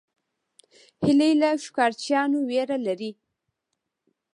هیلۍ له ښکار چیانو ویره لري